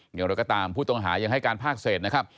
อย่างโดยก็ตามผู้ต้องหายังให้การพากเศษ